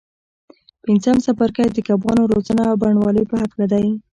پنځم څپرکی د کبانو روزنه او بڼوالۍ په هکله دی.